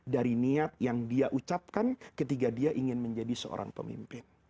dari niat yang dia ucapkan ketika dia ingin menjadi seorang pemimpin